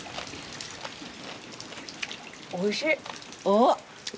おいしい！